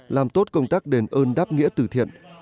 làm tốt công tác đền ơn đáp nghĩa từ thiện